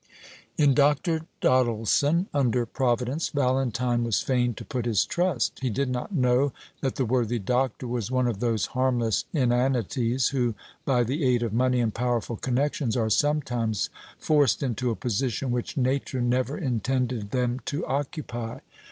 In Dr. Doddleson, under Providence, Valentine was fain to put his trust. He did not know that the worthy doctor was one of those harmless inanities who, by the aid of money and powerful connections, are sometimes forced into a position which nature never intended them to occupy.